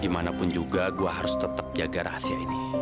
dimanapun juga gue harus tetap jaga rahasia ini